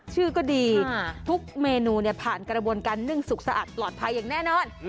ชื่อก็ดีทุกเมนูผ่านกระบวนการนึ่งสุกสะอาดปลอดภัยอย่างแน่นอน